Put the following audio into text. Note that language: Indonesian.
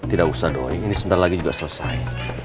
tidak usah dong ini sebentar lagi juga selesai